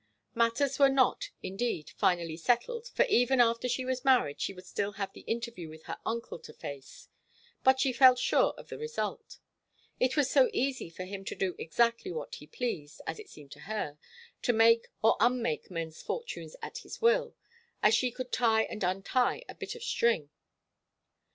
Matters were not, indeed, finally settled, for even after she was married she would still have the interview with her uncle to face; but she felt sure of the result. It was so easy for him to do exactly what he pleased, as it seemed to her, to make or unmake men's fortunes at his will, as she could tie and untie a bit of string.